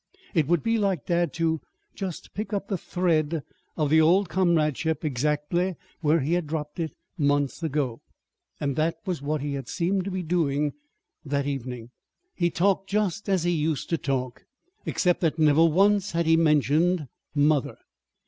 It would be like dad just to pick up the thread of the old comradeship exactly where he had dropped it months ago. And that was what he had seemed to be doing that evening. He had talked just as he used to talk except that never once had he mentioned mother.